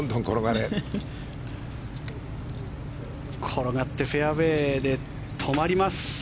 転がってフェアウェーで止まります。